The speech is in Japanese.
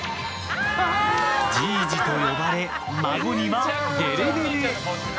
じいじと呼ばれ、孫にはデレデレ。